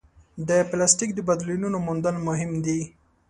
د پلاسټیک د بدیلونو موندل مهم دي.